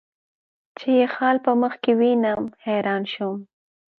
چې یې خال په مخ کې وینم، حیران شوم.